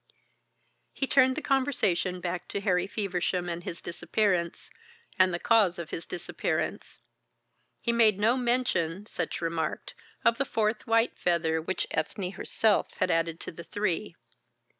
He turned the conversation back to Harry Feversham and his disappearance, and the cause of his disappearance. He made no mention, Sutch remarked, of the fourth white feather which Ethne herself had added to the three.